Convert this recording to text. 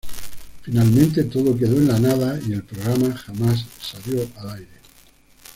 Finalmente, todo quedó en la nada y el programa jamás salió al aire.